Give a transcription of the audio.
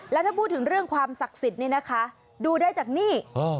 แล้วถ้าพูดถึงเรื่องความศักดิ์สิทธิ์นี่นะคะดูได้จากนี่